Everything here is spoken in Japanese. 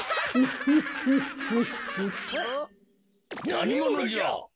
なにものじゃ？